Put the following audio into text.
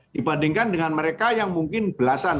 dibandingkan dengan mereka yang mungkin belasan